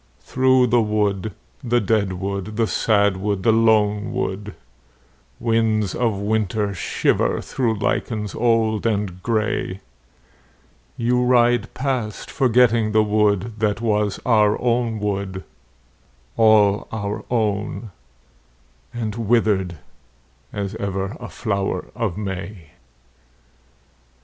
Through the wood, the dead wood, the sad wood, the lone wood, Winds of winter shiver through lichens old and grey, You ride past forgetting the wood that was our own wood, All our own and withered as ever a flower of May.